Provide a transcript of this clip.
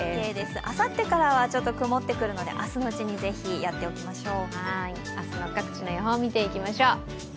あさってからはちょっと曇ってくるので明日のうちにぜひやっておきましょう。